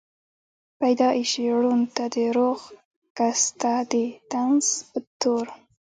پېدائشي ړوند ته دَروغ کس ته دطنز پۀ طور